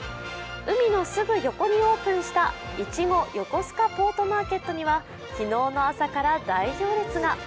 海のすぐ横にオープンしたいちごよこすかポートマーケットには昨日の朝から大行列が。